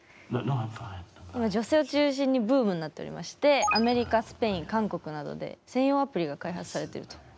今女性を中心にブームになっておりましてアメリカスペイン韓国などで専用アプリが開発されていると。